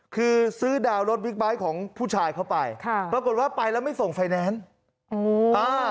คือซื้อดาวรถวิกไบท์ของผู้ชายเข้าไปปรากฏว่าไปแล้วไม่ส่งไฟแนนส์